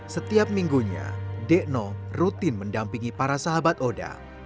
setiap minggunya dekno rutin mendampingi para sahabat oda